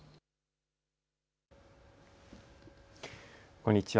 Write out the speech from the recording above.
こんにちは。